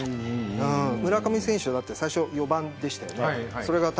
村上選手は最初は４番でしたよね。